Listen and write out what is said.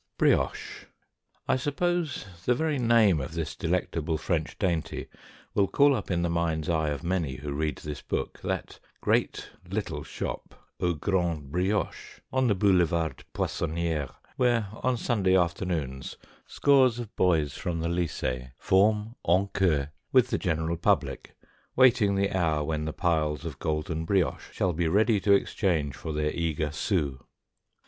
BRIOCHE. I suppose the very name of this delectable French dainty will call up in the mind's eye of many who read this book that great "little" shop, Au Grand Brioche, on the Boulevarde Poissonière, where, on Sunday afternoons, scores of boys from the Lycées form en queue with the general public, waiting the hour when the piles of golden brioche shall be ready to exchange for their eager sous.